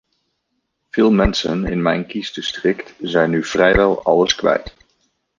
Veel mensen in mijn kiesdistrict zijn nu vrijwel alles kwijt.